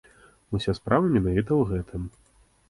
Уся справа менавіта ў гэтым.